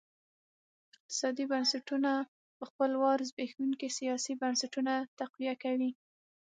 اقتصادي بنسټونه په خپل وار زبېښونکي سیاسي بنسټونه تقویه کوي.